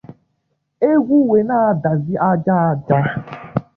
Egwu wee na-adazị aja aja